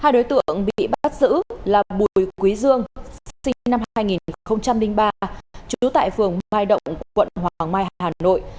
hai đối tượng bị bắt giữ là bùi quý dương sinh năm hai nghìn ba trú tại phường mai động quận hoàng mai hà nội